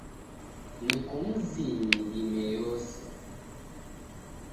Neko mzinyi dime yose.